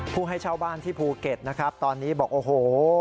ให้เช่าบ้านที่ภูเก็ตนะครับตอนนี้บอกโอ้โห